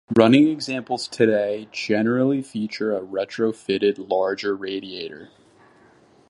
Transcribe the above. Running examples today generally feature a retrofitted larger radiator.